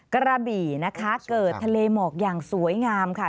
กระบี่นะคะเกิดทะเลหมอกอย่างสวยงามค่ะ